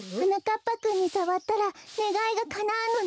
ぱくんにさわったらねがいがかなうのね。